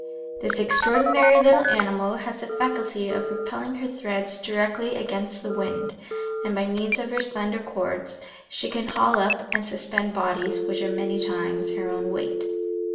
This ex traordinary little animal has the faculty of propelling her threads directly against the wind, and by means of her slender cords she can haul up and suspend bodies which are many times her own weight.